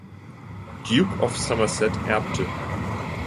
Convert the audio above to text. Duke of Somerset erbte.